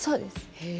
へえ。